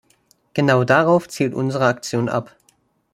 Genau darauf zielt unsere Aktion ab.